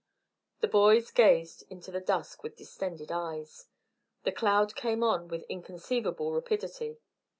The boys gazed into the dusk with distended eyes. The cloud came on with inconceivable rapidity.